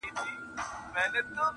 چي په برخه به د هر سړي قدرت سو!.